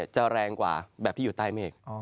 แรงกว่าแบบที่อยู่ใต้เมฆ